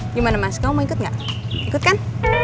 gimana mas kamu mau ikut gak ikut kan